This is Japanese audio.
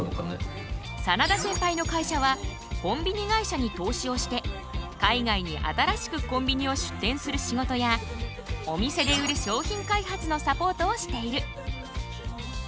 眞田センパイの会社はコンビニ会社に投資をして海外に新しくコンビニを出店する仕事やお店で売る商品開発のサポートをしている。